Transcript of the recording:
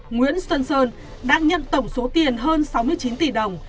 nguyễn xuân sơn đã nhận tổng số tiền hơn sáu mươi chín tỷ đồng